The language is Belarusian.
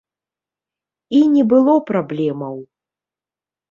І не было праблемаў!